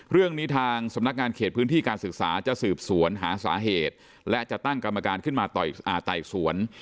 เรื่องนี้ทางสำนักงานเขตพื้นที่การศึกษาจะสืบสวนหาสาเหตุและจะตั้งกรรมการขึ้นมาไต่สวน